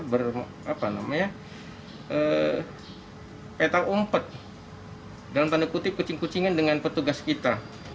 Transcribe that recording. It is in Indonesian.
berapa namanya umpet dalam tanda kutip kucing kucingan dengan petugas kita